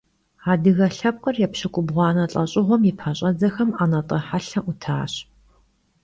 Adıge lhepkhır yêpşık'ubğuane lh'eş'ığuem yi peş'edzexem 'enat'e helhe 'utaş.